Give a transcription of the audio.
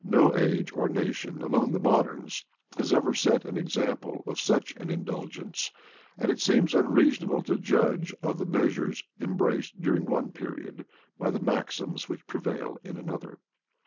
No age or nation among the moderns had ever set an example of such an indulgence; and it seems unreasonable to judge of the measures embraced during one period by the maxims which prevail in another.